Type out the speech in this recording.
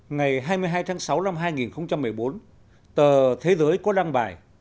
ngày hai mươi hai tháng sáu năm hai nghìn một mươi bốn tờ thế giới có đăng bài